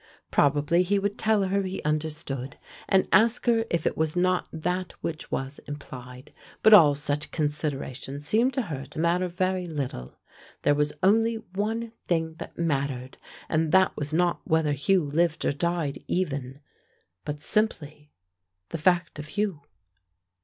Probably he would tell her he understood, and ask her if it was not that which was implied. But all such consideration seemed to her to matter very little. There was only one thing that mattered, and that was not whether Hugh lived or died even, but simply the fact of Hugh.